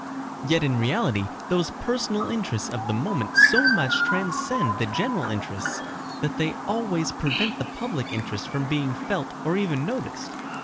Yet in reality those personal interests of the moment so much transcend the general interests that they always prevent the public interest from being felt or even noticed.